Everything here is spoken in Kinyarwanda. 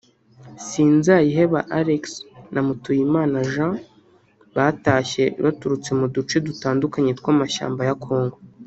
Sinzayiheba Alex na Mutuyimana Jean batashye baturutse mu duce dutandukanya tw’amashyamba ya Congo